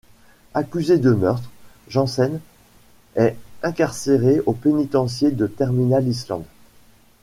Accusé du meurtre, Jensen est incarcéré au pénitencier de Terminal Island.